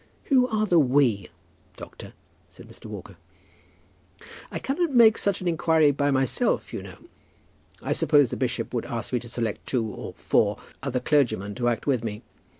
"Who are the 'we,' doctor?" said Mr. Walker. "I cannot make such an inquiry by myself, you know. I suppose the bishop would ask me to select two or four other clergymen to act with me.